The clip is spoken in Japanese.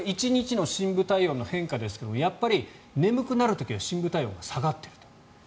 １日の深部体温の変化ですがやっぱり眠くなる時は深部体温が下がっていると。